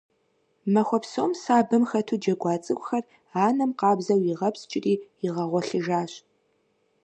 Махуэ псом сабэм хэту джэгуа цӏыкӏухэр анэм къабзэу игъэпскӏири игъэгъуэлъыжащ.